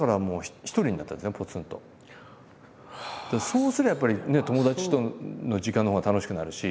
そうすればやっぱりね友達との時間のほうが楽しくなるし。